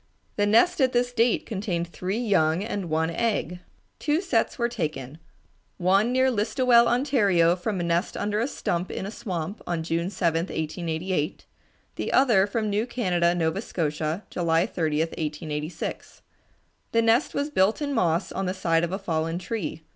The nest at this date contained three young and one egg. Two sets were taken, one near Listowel, Ontario, from a nest under a stump in a swamp, on June 7, 1888; the other from New Canada, Nova Scotia, July 30, 1886. The nest was built in moss on the side of a fallen tree.